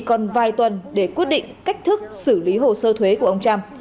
còn vài tuần để quyết định cách thức xử lý hồ sơ thuế của ông trump